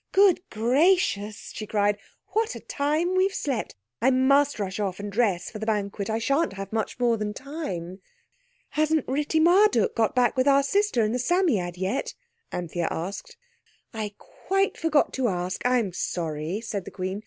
"Good gracious!" she cried, "what a time we've slept! I must rush off and dress for the banquet. I shan't have much more than time." "Hasn't Ritti Marduk got back with our sister and the Psammead yet?" Anthea asked. "I quite forgot to ask. I'm sorry," said the Queen.